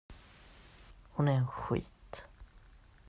Hon är en skit!